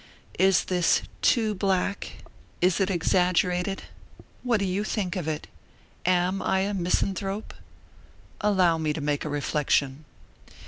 This is too black? It is exaggerated? What do you think of it? Am I a misanthrope? Allow me to make a reflection.